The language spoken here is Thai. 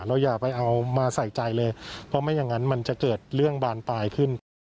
อย่าไปเอามาใส่ใจเลยเพราะไม่อย่างนั้นมันจะเกิดเรื่องบานปลายขึ้น